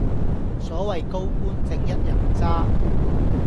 所謂高官正一人渣